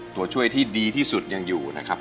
ตัวช่วยที่ดีที่สุดยังอยู่นะครับ